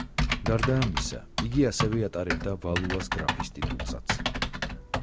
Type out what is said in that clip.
გარდა ამისა, იგი ასევე ატარებდა ვალუას გრაფის ტიტულსაც.